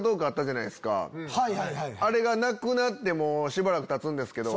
あれがなくなってしばらくたつんですけど。